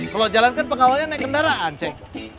kalau jalan kan pengawalnya naik kendaraan cek